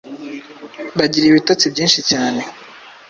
bagira ibitotsi byinshi cyane